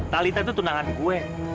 tali tadi itu tunangan gue